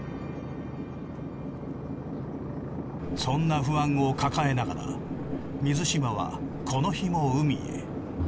そんな不安を抱えながら水嶋はこの日も海へ。